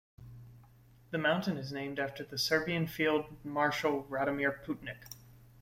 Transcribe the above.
The mountain is named after the Serbian Field Marshal Radomir Putnik.